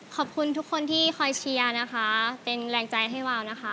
ขอบคุณทุกคนที่คอยเชียร์นะคะเป็นแรงใจให้วาวนะคะ